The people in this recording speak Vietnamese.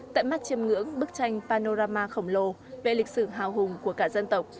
tại mắt chêm ngưỡng bức tranh parorama khổng lồ về lịch sử hào hùng của cả dân tộc